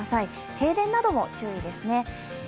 停電なども注意ですね。